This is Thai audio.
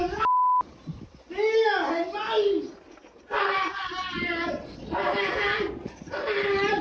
เห็นไง